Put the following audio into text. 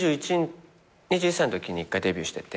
２１歳のときに一回デビューしてて。